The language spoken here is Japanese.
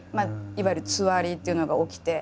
いわゆるつわりっていうのが起きて。